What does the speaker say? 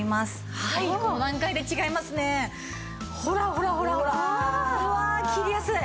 ほらほらほらうわ切りやすい！